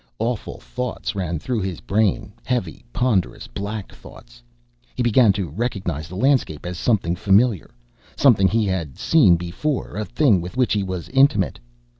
Awful thoughts ran through his brain, heavy, ponderous, black thoughts. He began to recognize the landscape as something familiar, something he had seen before, a thing with which he was intimate.